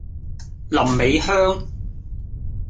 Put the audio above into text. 臨尾香